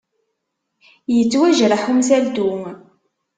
Yettwajreḥ umsaltu!